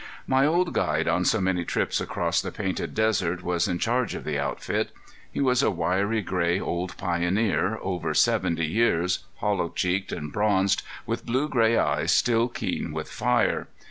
My old guide on so many trips across the Painted Desert was in charge of the outfit. He was a wiry, gray, old pioneer, over seventy years, hollow cheeked and bronzed, with blue gray eyes still keen with fire.